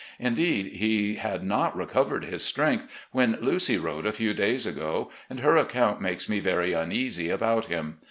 Indeed, he had not recovered his strength when Lucy wrote a few days ago, and her account makes me very tmeasy about him.